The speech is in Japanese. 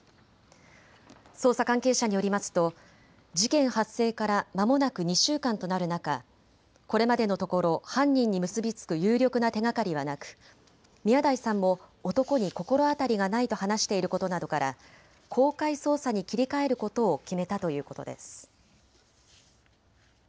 捜査関係者によりますと事件発生からまもなく２週間となる中、これまでのところ犯人に結び付く有力な手がかりはなく宮台さんも男に心当たりがないと話していることなどから公開捜査に切り替えることを決めたということです。